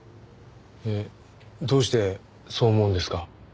えっどうしてそう思うんですか？